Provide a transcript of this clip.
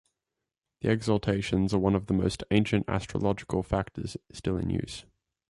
The exaltations are one of the most ancient astrological factors still in use.